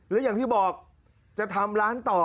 แล้วอย่างที่บอกจะทำร้านต่อ